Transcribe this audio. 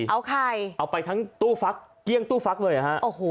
เอาไข่เอาไปทั้งตู้ฟักเกี้ยงตู้ฟักเลยเหรอฮะโอ้โห